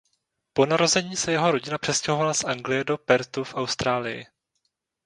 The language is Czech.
Po narození se jeho rodina přestěhovala z Anglie do Perthu v Austrálii.